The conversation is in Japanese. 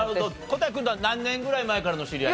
小瀧君とは何年ぐらい前からの知り合い？